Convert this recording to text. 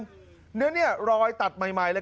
เนื้อนี่เนี้ยลอยตัดใหม่เลย